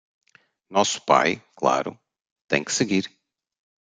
Nosso pai, claro, tem que seguir.